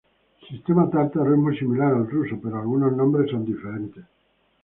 El sistema tártaro es muy similar al ruso, pero algunos nombres son diferentes.